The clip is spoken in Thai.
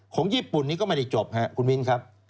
ของญี่ปุ่นนี้ก็ไม่ได้จบคุณวินครับ